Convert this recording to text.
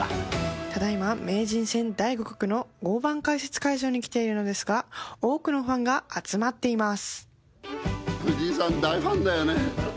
ただいま名人戦第５局の大盤解説会場に来ているのですが多くのファンが集まっています。